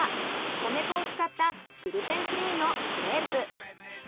米粉を使ったグルテンフリーのクレープ。